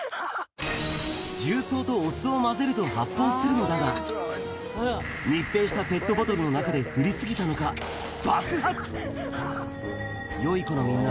重曹とお酢を混ぜると発泡するのだが、密閉したペットボトルの中で振り過ぎたのか、爆発！